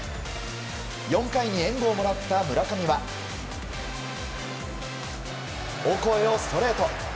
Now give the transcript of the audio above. ４回に援護をもらった村上はオコエをストレート。